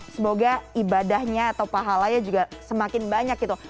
semoga ibadahnya atau pahalanya juga semakin banyak gitu